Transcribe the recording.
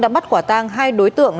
đã bắt quả tang hai đối tượng